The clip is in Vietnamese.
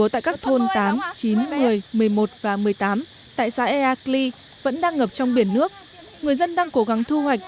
tại sản phẩm